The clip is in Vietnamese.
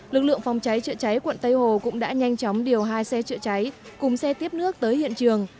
lực lượng phòng cháy chữa cháy quận tây hồ cũng đã nhanh chóng điều hai xe chữa cháy cùng xe tiếp nước tới hiện trường